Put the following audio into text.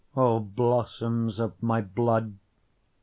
O blossoms of my blood!